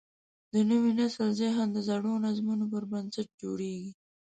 د نوي نسل ذهن د زړو نظمونو پر بنسټ جوړېږي.